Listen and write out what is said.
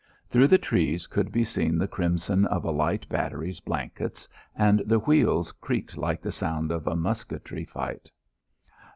Through the trees could be seen the crimson of a light battery's blankets, and the wheels creaked like the sound of a musketry fight.